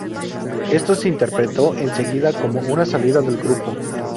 Esto se interpretó enseguida como una salida del grupo.